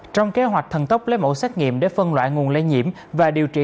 trong kế hoạch thần tốc lấy mẫu xét nghiệm để phân loại nguồn lây nhiễm và điều trị